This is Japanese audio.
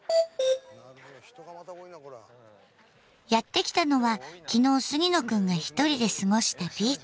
やって来たのは昨日杉野くんが一人で過ごしたビーチ。